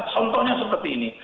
contohnya seperti ini